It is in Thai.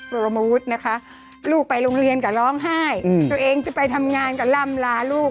รมวุฒินะคะลูกไปโรงเรียนก็ร้องไห้ตัวเองจะไปทำงานก็ล่ำลาลูก